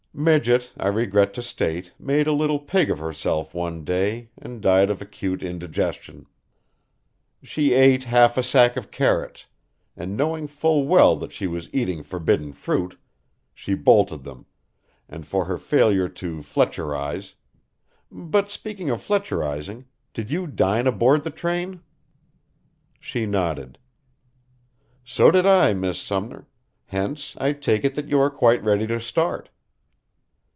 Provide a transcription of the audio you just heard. "Midget, I regret to state, made a little pig of herself one day and died of acute indigestion. She ate half a sack of carrots, and knowing full well that she was eating forbidden fruit, she bolted them, and for her failure to Fletcherize but speaking of Fletcherizing, did you dine aboard the train?" She nodded. "So did I, Miss Sumner; hence I take it that you are quite ready to start."